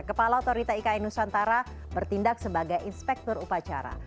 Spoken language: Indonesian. kepala otorita ikn nusantara bertindak sebagai inspektur upacara